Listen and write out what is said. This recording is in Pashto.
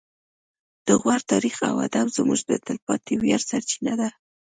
د غور تاریخ او ادب زموږ د تلپاتې ویاړ سرچینه ده